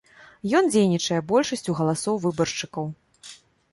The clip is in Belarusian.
Ён дзейнічае большасцю галасоў выбаршчыкаў.